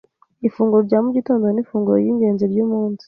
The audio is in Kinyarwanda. Ifunguro rya mugitondo nifunguro ryingenzi ryumunsi.